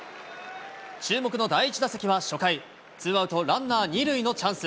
注目の第１打席は初回、ツーアウトランナー２塁のチャンス。